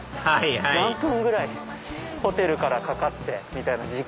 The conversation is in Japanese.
はいはい何分ぐらいホテルからかかってみたいな。